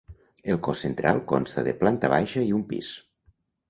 El cos central consta de planta baixa i un pis.